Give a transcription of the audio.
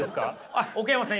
あっ奥山さん